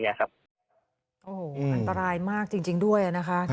โอ้โหอันตรายมากจริงด้วยนะคะ